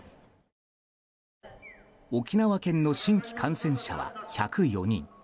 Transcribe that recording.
沖縄県の新規感染者は１０４人。